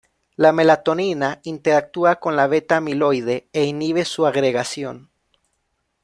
La melatonina interactúa con la beta-amiloide e inhibe su agregación.